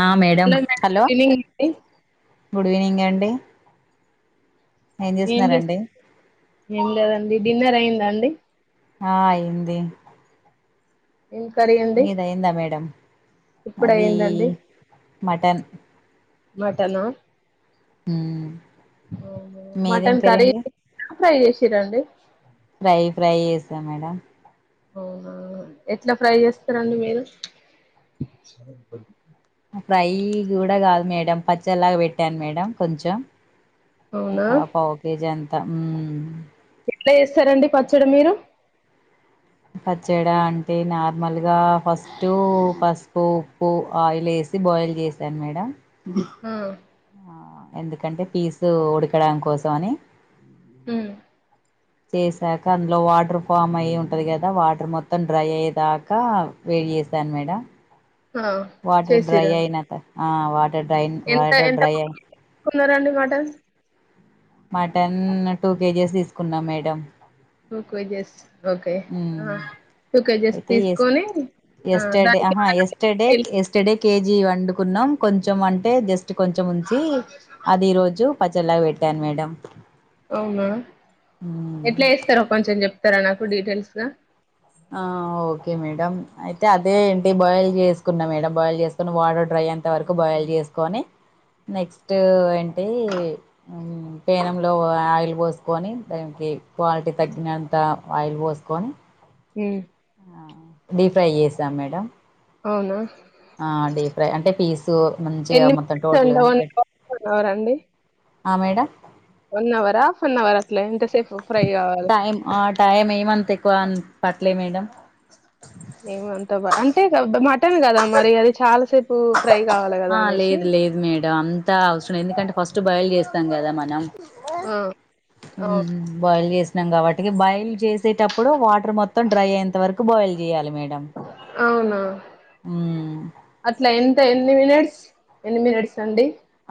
ఆ madam hello good evening అండి good evening అండి ఏం చేస్తు ఏమి లేదండి డిన్నర్ అయిందా అ ఆ అయింది ఏం కర్రీ అండి మీద అయిందా మేడం ఇప్పుడు మాది అయిందండి మటన్ మటనా మ్మ్. మీదేం మటన్ కర్రీ అండి ఫ్రై చేసి [unintelligible] అండి ఫ్రై ఫ్రై చేసా మేడం అవునా ఎట్లా ఫ్రై చేస్తారండి మీరు ఫ్రై కూడా కాదు మేడం పచ్చలాగా పెట్టాను మేడం కొంచెం అవునా ఒక పావు కేజీ అని త హు ఎట్లా చేస్తారండి పచ్చడి మీరు పచ్చడి అంటే నార్మల్గా ఫస్ట్ పసుపు, ఉప్పు, ఆయిల్ వేసి బాయిల్ చేశాను మేడం ఆ ఆ ఎందుకంటే పీసు ఉడకడం కోసం అని హు చేసాక అందులో వాటర్ ఫామ్ అయి ఉంటది కదా వాటర్ మొత్తం డ్రై అయేదాకా వేడి చేసాను మేడమ్ ఆ వాటర్ డ్రై చేసిరా అయినాక ఆ వాటి డ్రై వాటర్ డ్రైయర్ సరే అండి మాట మటన్ టూ కేజీస్ తీసుకున్నాం మేడం టూ కేజెస్ ఓకే ఉమ్ టూ కేజీస్ అయితే ఎస్ తీసుకొని ఎస్టర్డే దానికి ఆహా ఎస్టర్డే [unintelligible] ఎస్టర్డే కేజీ వండుకున్నాం కొంచెం అంటే జస్ట్ కొంచెం ఉంచి అది ఈ రోజు పచ్చడ్లాగా పెట్ ట్టాన్ మేడమ్ అవునా ఎట్లా చేస్తారో కొంచెం చెప్ ప్తారా నాకు డీటెయిల్స్ గా ఆ ఓకే మేడం అయితే అదే ఏంటి బాయిల్ చేసుకున్నా మేడం బాయిల్ చేసుకుొని వాటర్ డ్రై అయ్యేంత వరకు బాయిల్ చేసుకొని నెక్స్ట్ ఏంటి ఊ పేనంలో ఆయిల్ పోసుకొని దానికి క్వాలిటీ తగ్గినంత ఆయిల్ పోసుకొని ఊ డీ ఫ్రై చేసాం మేడమ్ అవునా ఆ డీప్ ఫ్రై అంటే పీస్ ఎన్ని మినిట్స్ వన్ అవర అండి. ఆ madam one hour half an hour అట్లె ఎంత టైమ్ ఆ టైమ్ ఏమంత ఎక్కువ అని పట్ ప్లే మేడమ్. ఏమంత బా అంటే బ మ మటన్ కదా మరి అది చాలాసేపు ఫ్రై కావాలి కదా ఆ అనేసి లేదు లేదు మేడం స్తాం కదా మనం. ఆ ఊ అవును బాయిల్ చేస్ నాం కాబట్టి బాయిల్ చేసేటప్పుడు వాటర్ మొత్తం డ్రై అయ్యేంత వరకు బాయిల్ చేయాలి మేడం. అవునా. అట్ల ఎంత ఎంత ఎన్ని మినిట్స్ ఎన్ని మినిట్స్ అండి.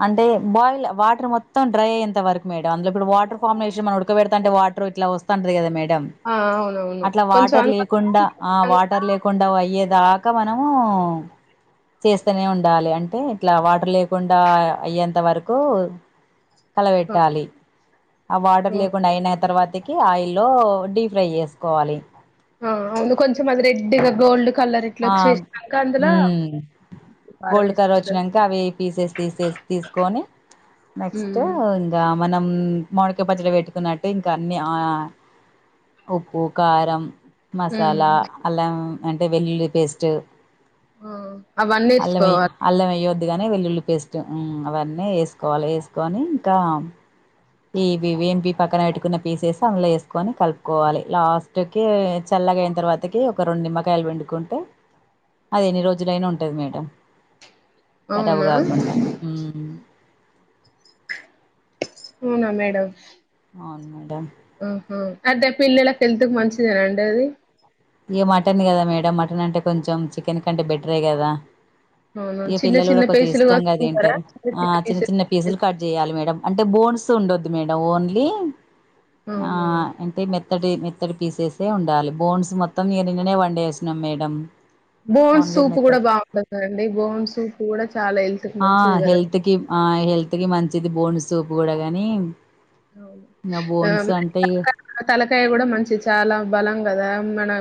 అంటే బాయిల్ వాటర్ మొత్తం డ్రై అయేంత వరకు మేడం అందులో ఇప్పుడు వాటర్ ఫామ్ లో వేసి మనం ఉడకబ పెడతంటే వాటర్ ఇట్లా వస్తంటది కదా మేడ డమ్ ఆ అవునవును అట్లా కొంచెం వాటర్ అంత లేకుండా ఆ వాటర్ లేకుండా అయ్యేదాక ఇక మనము చేస్తూనే ఉండాలి అంటే ఇట్లా వాటర్ లేకుండా డా అయ్యేంత వరకు ఆ, కలవెట్టాలి. ఆ వాట లర్ లేకుండా అయినా తర్వాతకి ఆయిల్ల్లో డీప్ ఫ్రై చేసుకోవాలి. ఆ అవును కొంచెం అది రెడ్డ్గా గోల్డ్ కలర్ ఇట్లా ఆ వచ్చేసినాక అందులో ఊ కారం గోల్డ్ కలర్ వేసుకుంటారు వచ్చినంక అవి పీసెస్ తీసే తీసుకొని నెక్స్ట్ ఉమ్ ఇంకా మనం మామిడి కాయ పచ్చడి పెట్టుకున్నట్టు ఇంకా అన్ని ఆ ఉప్పు కారం ఉమ్ మసాలా అల్లం అంటే వెల్లుల్లి పేస్ట్ ఆ అవన్నీ ఎత్కోవలె అదిగానీ వెల్లుల్లి పేస్ట్ ఉ అవన్నీ వేసుకోవాలి వేసుకొని ఇంకా ఇవివి ఎంపి పక్కన పెట్టుకున్న పీసేస్ అందులో వేసుకొని కలుపుకోవాలి లాస్ట్ కి చల్లగా అయిన తర్వాతకి ఒక రెండు నిమ్మకాయలు పిండుకుంటే అది ఎన్ని రోజులైనా ఉంటది మేడం కరాబు అవునా కాకుండా ఉ అవునా మేడం అవును మేడం ఆహ అదే పిల్లలకిెళ్తుకి మంచిదేనండి అది ఇగ మటన్ కదా మేడం మటన్ అంటే కొంచెం చికెన్ కంటే బెటరే కదా అవును ఇ చిన్న పిల్లలు చిన్న కూడా కొంచెం పీసులు ఇష్టంగా కోసుకుంటారా తింటారు చిన్న ఆ చిన్న చిన్న పీసులు కట్ చేయాలి మేడం అంటే బోన్స్ ఉండొద్దు మేడం ఓన్లీ ఈ ఆ అవునా అంటే మె మేత్తటి మేత్తటి పీసెసే ఉండాలి బోన్స్ మొత్ మొత్తం మీ నిన్ననే వండేసినం మేడం బోన్స్ ఓన్లీ సూప్ కూడా మెథడ్ బాగుంటందండి బోన్ సూప్ కూడా చాలా హెల్త్ కి ఆ మంచిది కదా హెల్త్ కి ఆ హెల్త్ కి మంచి మంచిది బోన్ సూపు కూడా కానీ అవును ఆ మరి ఇగ తలకాయ కూడా మంచిది చాలా బలంగా దా మన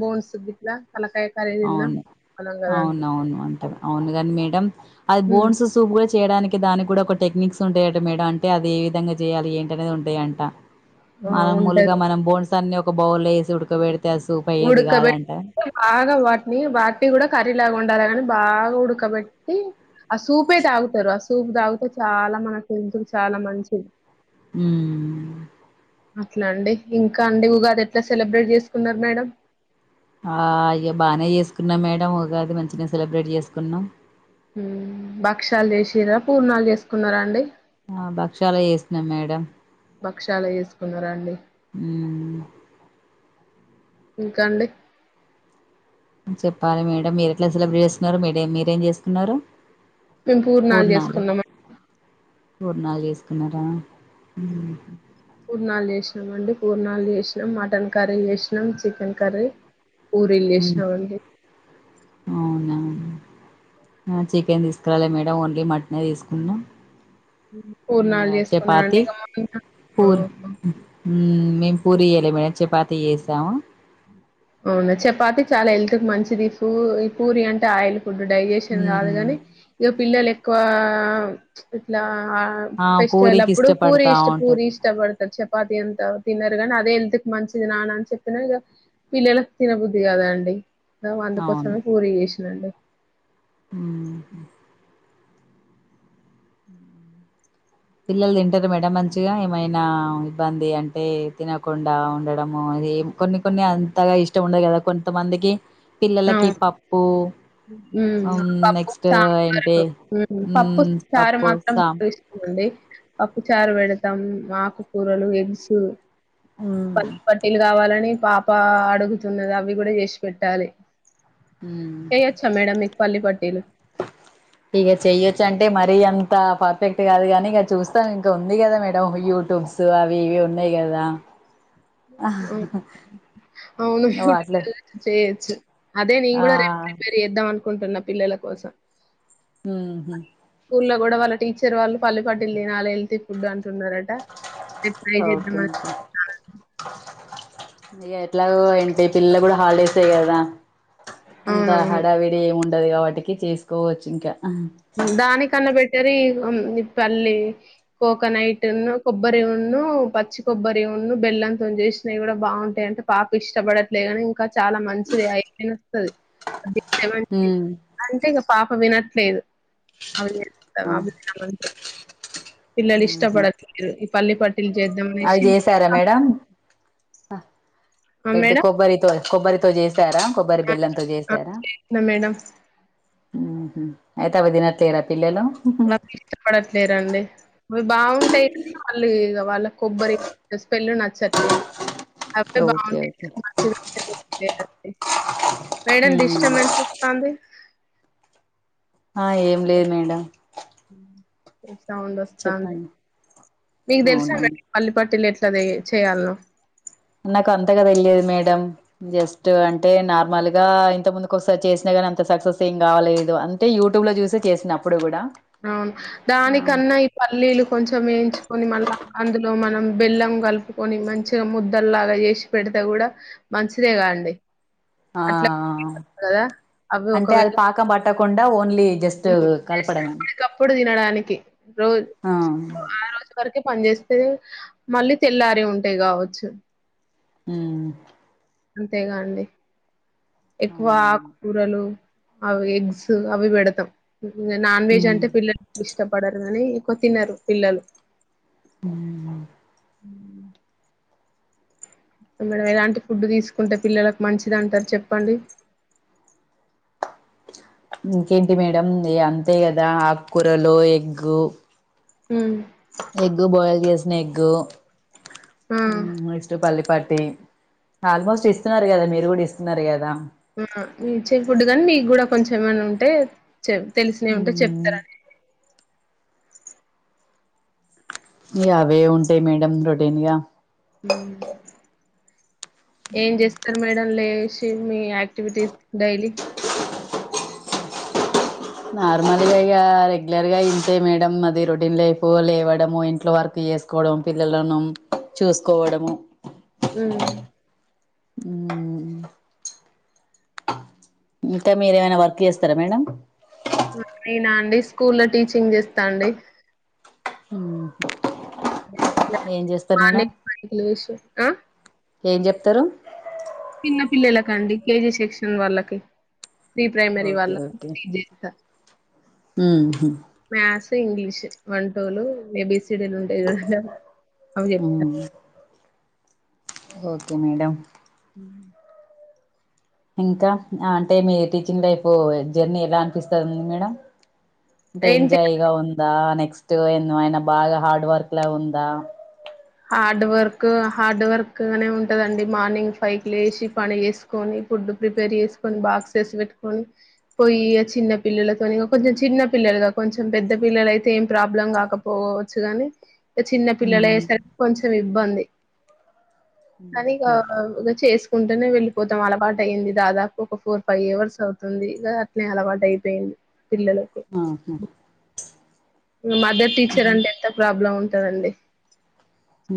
బోన్స్ గిట్లా తలకాయ కర్రీ తిన్నా అవును బలం కదా అండి అవునవును అంటారు అవునుగాని మేడం అది ఉమ్ బోన్స్ సూప్ గా జే చేయడానికి దానికి కూడా ఒక టెక్నిక్స్ ఉంటాయట మేడం అంటే అది ఏ విధంగా చేయాలి ఏంటనేది ఉంటాయంట ఆ మనం ముూలుగా ఉంటది మనం బోన్స్ తాన్ని ఒక బౌల్ వేసి ఉడకవేడతా ఉడుకబట్ ఆగా వాట్ ట్ని వాటినీ కూడా కర్రీ లాగా వండాలి కాని బాగా ఉడకబేట్టి ఆ సూపే తాగుతారు ఆ సూప్ తాగితే చాలా మనకు హెల్త్ కి చాలా మంచిది ఉమ్ అట్లా అండి ఇంకా అండి ఉగాది ఎట్లా సెలబ్రేట్ చేసుకున్నారు మేడం అ ఆ ఇగ బానే చేసుకున్నామ్ మేడం ఉగాది మంచిగానే సెలబ్రేట్ చేసుకున్నాం ఉమ్ భక్షలు చేసిర్ర పూర్ణాలు చేసుకున్నరా అండి ఆ బక్షాలే చేసుకున్నాం మేడం భక్షాలే చేసుకున్నర అండి మ్మ్ ఇంక అండి చెప్పాలి మేడం మీరు ఎట్లా సెలబ్రేట్ చేస్కూన్నారు మీరేమ్ మీరేం చేసుకున్నారు మేము పూర్ణాలు చేసుకున్నాం అన్ పూర్ణాలు చేసుకున్నారా మ్మ్ పూర్ణాలు చేసినాము అండి పూర్నాలు చేసినాం మటన్ కర్రీ చేసినాం చికెన్ కర్రీ పూరిలు మ్మ్ చేసినం అండి అవునా నువ్ చికెన్ తీసుకురాలే మేడం ఓన్లీ మటనే తీసుకున్నాం హ్మ్. పూర్ణాలు ఇగ చేసుకున్నా అండి చపాతి ఇగ [inaudible] పూరి మ్మ్ మేము పూరి చెయ్ లే మేడం చపాతీ చేశాం అవునా చపాతి చాలా హెల్త్ కి మంచిది పూ ఈ పూరి అంటే ఆయిల్ ఫుడ్ డైజెషన్ కాదు ఉమ్ కానీ ఇగ పిల్లలె క్కువ ఇట్లా ఆ ఫెస్టివల్ పూరికి అప్పుడు పూరి ఇష్టపడతా ఇష్ట పూరి ఉంటారు ఇష్టపడత చపాతి అంత తినరు కానీ అదే హెల్త్ కి మంచిది నాన్న అని చెప్పినా ఇగ పిల్లలకు తినబుద్ది కాదా అండి నో అందుకోసమే పూరీ చేసినా అండి ఊహూ పిల్లలు తింటారు మేడం అన్ చిగా ఏమైనా ఇబ్బంది అంటే తినకుండా ఉండడము ఇది కొన్ని కొన్ని అంతగా ఇష్టం ఉండదు కదా కొంతమందికి పిల్లలకి అవును. పప్పు హ్మ్. అం పప్పు, నెక్స్ట్ ఏంటి సాంబారు హ్మ్. పప్పు మ్మ్ చారు పప్పు మాత్రం సామ్ బాగా ఇష్టమండి. పప్పు చారు పెడతాం ఆకుకూరలు ఎగ్స్ ఉమ్ పల్లి పట్టీలు కావాలని పాప అడుగుతున్నది అవి కూడా చేసి పెట్టాలి చేయచ్చా మేడమ్ మీ పల్లీ పట్టీలు ఇగ చెయ్యొచ్చంటే మరీ అంత పర్ఫెక్ట్ కాదు కానీ ఇక చూస్తాం ఇంకా ఉంది కదా మేడం యూట్యూబ్స్ అవి ఇవి ఉన్నాయి కదా అవును యూయ్యూబ్ వాటిలే లో [inaudible] చ్చ్ అదే నేను కూడా రేపు ఆ ప్రిపేరు చేద్దామను కుంటున్న పిల్లల కోసం మ్ ఊహూ స్కూల్ లో కూడా వాళ్ళ టీచర్ వాళ్ళు పల్లీ పట్టిలు తినాల హెల్తీ ఫుడ్డం టున్నారట రేపు ట్రై ఓకే చేద్దామని [inaudible] ఇగ ఎట్లాగో ఏంటి పిల కూడా హాలిడేస్ ఏ గదా అంతా అవునవును హడావిడి ఉండది గాబట్ టికి చేసుకోవచ్చింక దాని కన్నా పెట్ తరి అంటే ఈ పల్లి కోకోనైటున్నూ కొబ్బరి ఉన్నూ పచ్చి కొబ్బరి ఉన్నూ బెల్లంతోని చేేసినవి కూడా బావుంటాయి అంటే పాప ఇష్టపడట్లేదని ఇంకా చాలా మంచిది అయిపోయిన వస్తది ఉమ్ అంటే ఇగ పాప వినట్లేదు ఆ పిల్లలు ఇష్టపడట్లేరు ఈ పల్లి పట్ అవిజెసారా మేడం ఆ ఎడ్డి మేడం కొబ్బరితో కొబ్బరితో చేసి సారా కొబ్బరి బెల్లంతో చేసారా చేసిన మేడం ఉమ్ హ్మ్మ్ అయితే అవి తినట్లేదా పిల్లలు నాకు ఇష్టపడట్లేరండి అవి బాగుంటాయి వాళ్ళు ఇగ వాళ్ళకికా కొబ్బరి స్మెల్ నచ్చట్లేదు అపుడే ఓకే బాగుటాయి ఓకే మంచిగుంటాయి మేడం ఉమ్ డిస్టర్బెన్స్ వస్తుంది ఆ ఏం లేదు మేడం [inaudible] సౌండ్ వస్తాది చెప్పండి మీకు తెలుసా అండి అవునా పల్లిపట్టిలు ఎట్ తది చేయాలన నాకు అంతగా తెలియదు మేడం జస్ట్ అంటే నార్మల్ ఇ ఇంత ముందుకు ఒక సారి చేసినాగాని అంత సక్సెస్ ఏం కావాలలేదు అంటే యూట్యూబ్ లో చూసే చేసిన అప్పుడు కూడా అవును ఆ దానికన్నా ఈ పల్లీలు కొంచెం వేయించుకొని మళ్ళా అందులో మళ్ళ మనం బెల్లం కలుపుకొని మంచిగా ముద్దలాగా చేసి పెడితే కూడా మంచిదే కాదండి ఆ అవి అంటే అది ఒకవేళ పాక బట్ పట్టకుండా ఓ న్లీ జస్ట్ కలపడమే కి రోజ్ ఆ ఆ రోజు వరకె పని చేేస్తే మళ్ళీ తెల్లారి ఉంటాయి కావచ్చు ఉమ్ అంతేగా అండి ఎక్కువ అవునవును ఆకుకూరలు అవి ఎగ్స్ అవి పెడతాం నాన్ వెజ్ ఉమ్ అంటే పిల్లకి ఇస్ట్ ఇష్టపడరు అని ఎక్కువ తిన్నారు పిల్లలు ఉమ్ హ్మ్మ్ మేడం ఎలాంటి ఫుడ్ తీసుకుంటే పిల్లలకు మంచిది అంటారు చెప్పండి ఇంకేంటి మేడం అంతే కదా ఆకుకూరలు ఎగ్గు ఉమ్ ఎగ్గు బాయిల్ చేస్త నెగ్గు ఆ ఉమ్ నెక్స్ పల్లి పటి ఆల్మోస్ట్ ఇస్తున్నారు కదా మీరు కూడా ఇస్తున్నారు కదా ఆ మీ ఇచ్చ ఫుడ్ కానీ మీకు కూడా కొంచెం ఏమైన్నా ఉంటే చె తెలిసినవి ఉంటే ఉమ్ చెప్తారడి ఇ అవే ఉంటాయి మేడం రొడన్ గా హమ్ ఏం చేస్తారు మే లేసి మీ యాక్టివిటీస్ డైలీ నార్మల్గా ఇ రెగ్యులర్ గా ఇంతే మేడం అది రొటీన్ లైఫ్ లేవడము ఇంట్లో వర్క్ చేసుకోవడం పిల్లలను చూసుకోవడము అ హమ్ ఇంకా మీర ఏమైనా వర్క్ చేస్తారా మేడం అయినా అండి స్కూ లో టీచింగ్ చేస్తాండి హ మానే మాకులు విష ఆ ఏం చెప్తారు చిన్న పిల్లలకండి కేజీ సెక్షన్ వాళ్ళకి ప్రీ ప్రైమరీ వాల్ళ చేస్త హ ఇంగ్లీష్ వంటోలు మేబీసిడీలు ఉంటాయి కద అ ఓకే మేడం హ ఇంకా అంటే మీ టీచింగ్ లైఫ్ జర్నీ ఎలా అనిపిస్తుంది మేడం ఏంటి డేంజయగా ఉంది దా నెక్స్ట్ ఎన్నో ఆయిన బాగా హార్డ్ వర్క్ లో ఉందా హార్డ్ వర్క్ హార్డ్ వర్క్ నే ఉంటదండి మార్నింగ్ ఫైవ్ క లేసి పని చేసుకొని ఫుడ్ ప్రిపేర్ చేసుకొని బాక్సెస్ పెట్టుకొని పోయి చిన్న పిల్లలతో కొంచెం చిన్న పిల్లలుగా కొంచెం పెద్ద పిల్లల అయితే ఏం ప్రాబ్లం కాకపోవచ్చు కాగాని చిన్న పిల్లలే సర కొం ఇబ్బంది అనిచ్చసు కుంటేనే వెళ్ళిపోతాం అలవాటు అయిింది దాదాపు ఒక ఫోర్ ఫైవ్ అవర్స్ అవుతుంది ఇ అట్నే అలవాటు అయిపోయింది ఆహా మదర్ టీచర్ అంటే ఎంత ప్రాబ్లం ఉంటుంది ఇంటనండి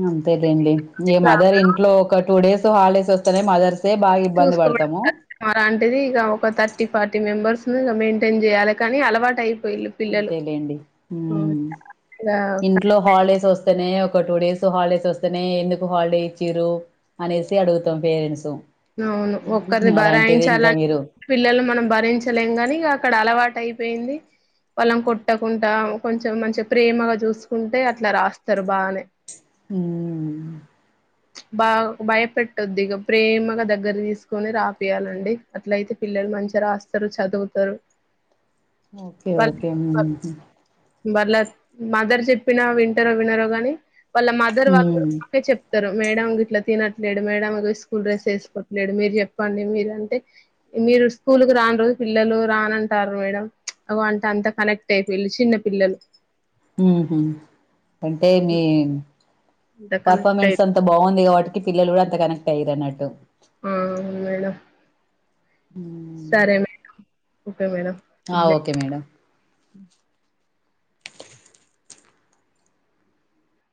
అంతేలిండి ఏ మదర్ ఇంట్లో ఒక టూ డేస్ హా స వస్తానే మాదత చూసుకోవ అలాంటిది ఇక ఒక థర్టీ టీ ఫార్టీ మెంబర్స్ ను మెయింటైన్ చేయాలి కానీ అలవాటు అయి అంతేలేండి హ్మ్ ఇగ ఇంట్లో హాలిడేస్ వస్ స్తనే ఒక టూ డేస్ హాలిడేస్ వస్తేనే ఎందుకు హాలిడే ఇచ్చిరు, అనేసి అడుగుతాం పేరెంట్స్ అవును ఒక్కరిని ఉమ్ అలాంటిది భరాయించా, ఇంకా మీరు పిల్లలు మనం భరించలేము కాని ఇంకా అక్కడ అలవాటు అయిపోయింది వాళ్ళం కొట్టకుండా కొంచెం మంచిగా ప్రేమగా చూసుకుంటే అట్లా రాస్తరు బానే హ్మ్ బా భయపెట్టద్దు ఇగా ప్రేమ న దగ్గర తీసుకొని రాపియాలండి, అట్ల అయితే పిల్లలు మంచిగా రాస్తరు చదువుతరు ఓకే ఓకే వాళ్ల మదర్ చెప్పిన వింటరో వినరో గాని వాళ్ళ మదర్ వాళ్ళు కూడా ఉమ్ మాకే చెప్ తారు మేడం గిట్ల తినట్లేడు, మేడం స్కూల్ డ్రెస్ వేసుకోట్లేడు, మీరు చెప్పండి మీరు అంటే మీరు స్కూల్ కు రాని రోజు పిల్లలు రానంటంరు మేడం, చ్ ఓ అంట అంత కనెక్ట్ అయిల్ చిన్న పిల్లలు హూహ్ అంటే మీ అంత కనెక్ట్ అయి పర్ఫార్మెన్స్ అంత బాగుంది కాబ ట్టి పిల్లలు కూడా అంత కనక్ట్ అయ్యిరు అన్నట్టు ఆ మేడం ఉమ్ సరే మేడం ఓకే మేడం ఆ గుడ్ నైట్ ఓకే మేడం